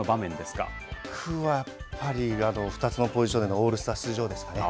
僕はやっぱり２つのポジションでのオールスター出場ですね。